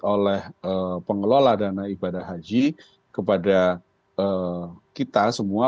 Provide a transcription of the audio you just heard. oleh pengelola dana ibadah haji kepada kita semua